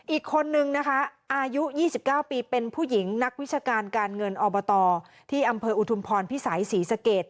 อีกคนนึงนะคะอายุ๒๙ปีเป็นผู้หญิงนักวิชาการการเงินอบตที่อำเภออุทุมพรพิสัยศรีสเกต